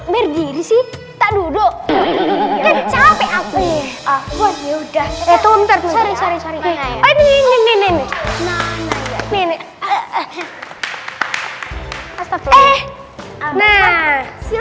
berdiri sih tak duduk capek aku udah itu bentar bentar ini ini ini ini ini